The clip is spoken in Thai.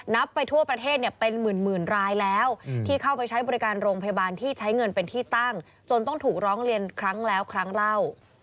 ไปทั่วประเทศเนี่ยเป็นหมื่นรายแล้วที่เข้าไปใช้บริการโรงพยาบาลที่ใช้เงินเป็นที่ตั้งจนต้องถูกร้องเรียนครั้งแล้วครั้งเล่า